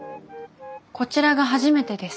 こちらが初めてです。